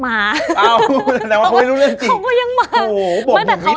ไม่มาแต่เขาไม่รู้เรื่องจริง